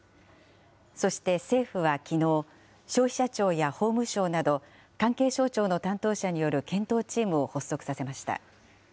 そして政府はきのう、消費者庁や法務省など、関係省庁の担当者による検討チームを発足させました。